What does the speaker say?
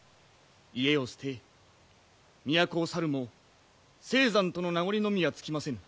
家を捨て都を去るも青山との名残のみは尽きませぬ。